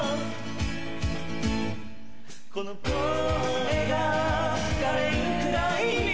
この声が枯れるくらいに